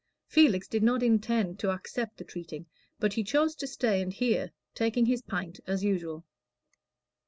Felix did not intend to accept the treating, but he chose to stay and hear, taking his pint as usual.